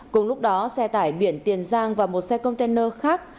cùng lúc đó xe tải biển tiền giang và một xe container khác